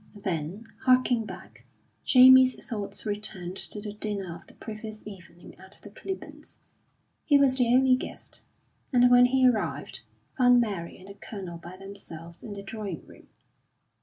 Then, harking back, Jamie's thoughts returned to the dinner of the previous evening at the Clibborns. He was the only guest, and when he arrived, found Mary and the Colonel by themselves in the drawing room.